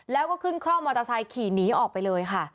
แล้วก็ขึ้นคร่อมมอเตอร์ไซค์ขี่หนีออกไปเลยค่ะ